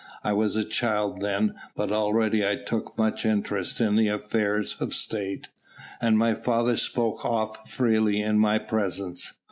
I was a child then but already I took much interest in the affairs of State, and my father spoke oft freely in my presence.